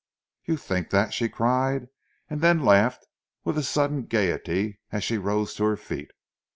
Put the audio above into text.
"You think that?" she cried, and then laughed with sudden gaiety as she rose to her feet.